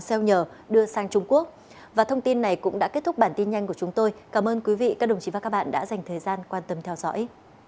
kênh này cũng đã kết thúc bản tin nhanh của chúng tôi cảm ơn quý vị các đồng chí và các bạn đã dành thời gian quan tâm theo dõi